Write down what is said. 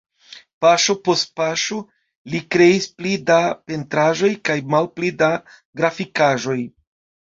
Paŝo post paŝo li kreis pli da pentraĵoj kaj malpli da grafikaĵoj.